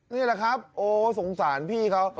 นี่แหละครับโอ้สงสารพี่เขา